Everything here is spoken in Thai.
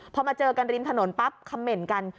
พอมาเจอกันริมถนนปั๊บคำเหม็นกัน